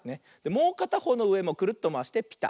もうかたほうのうでもクルッとまわしてピタッ。